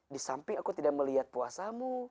di samping aku tidak melihat puasamu